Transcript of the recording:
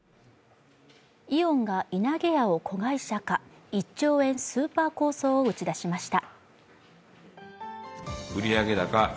イオンがいなげやを子会社化、１兆円スーパー構想を打ち出しました。